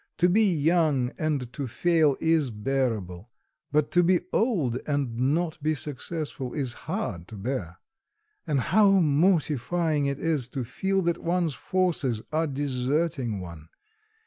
To be young and to fail is bearable; but to be old and not be successful is hard to bear. And how mortifying it is to feel that one's forces are deserting one!